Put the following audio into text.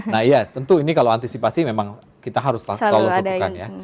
nah iya tentu ini kalau antisipasi memang kita harus selalu lakukan ya